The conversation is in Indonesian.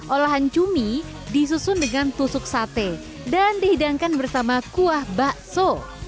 olahan cumi disusun dengan tusuk sate dan dihidangkan bersama kuah bakso